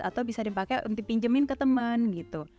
atau bisa dipakai untuk dipinjemin ke teman gitu